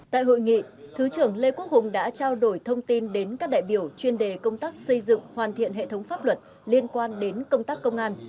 tại hội nghị thứ trưởng lê quốc hùng đã trao đổi thông tin đến các đại biểu chuyên đề công tác xây dựng hoàn thiện hệ thống pháp luật liên quan đến công tác công an